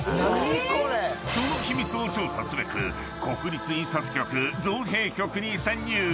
その秘密を調査すべく国立印刷局造幣局に侵入。